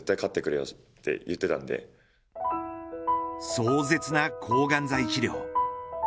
壮絶な抗がん剤治療。